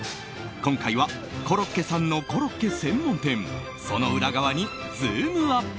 今回はコロッケさんのコロッケ専門店その裏側にズームＵＰ！